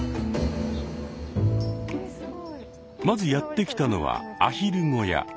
まずやって来たのはアヒル小屋。